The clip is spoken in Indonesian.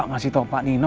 ngasih tau pak nino